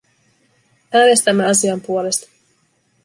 Äänestämme asian puolesta.